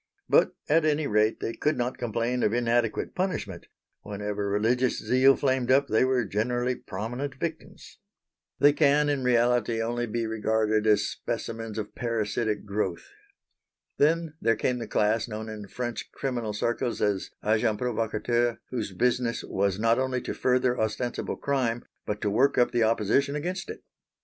But at any rate they could not complain of inadequate punishment; whenever religious zeal flamed up they were generally prominent victims. They can in reality only be regarded as specimens of parasitic growth. Then there came the class known in French criminal circles as agents provocateurs, whose business was not only to further ostensible crime but to work up the opposition against it.